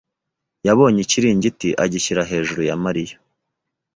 yabonye ikiringiti agishyira hejuru ya Mariya.